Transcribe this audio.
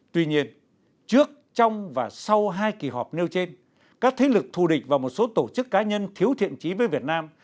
tuy nhiên trước trong và sau hai kỳ họp nêu trên các thế lực thù địch và một số tổ chức cá nhân thiếu thiện trí với việt nam